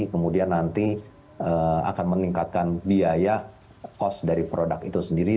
kemudian nanti akan meningkatkan biaya cost dari produk itu sendiri